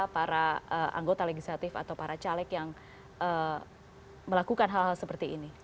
para anggota legislatif atau para caleg yang melakukan hal hal seperti ini